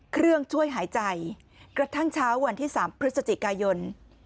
เครื่องช่วยหายใจกระทั่งเช้าวันที่๓พฤศจิกายน